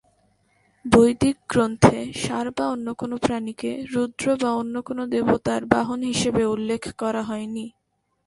বৈদিক গ্রন্থে ষাঁড় বা অন্য কোন প্রাণীকে রুদ্র বা অন্য কোন দেবতার বাহন হিসেবে উল্লেখ করা হয়নি।